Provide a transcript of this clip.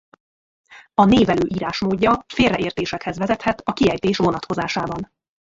A névelő írásmódja félreértésekhez vezethet a kiejtés vonatkozásában.